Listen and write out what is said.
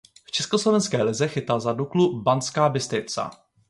V československé lize chytal za Duklu Banská Bystrica.